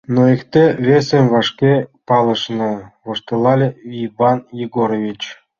Но икте-весым вашке палышна, — воштылале Иван Егорович.